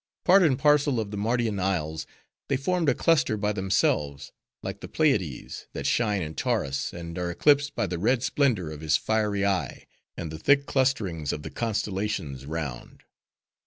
Part and parcel of the Mardian isles, they formed a cluster by themselves; like the Pleiades, that shine in Taurus, and are eclipsed by the red splendor of his fiery eye, and the thick clusterings of the constellations round.